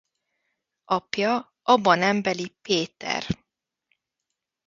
Apja Aba nembeli Péter.